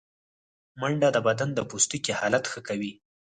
منډه د بدن د پوستکي حالت ښه کوي